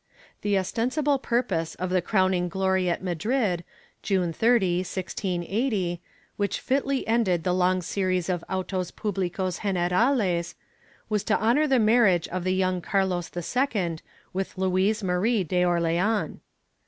^ The ostensible purpose of the crowning glory at Madrid, June 30, 1680, which fitly ended the long series of autos puhlicos generales, was to honor the marriage of the young Carlos II with Louise Marie d' Orleans.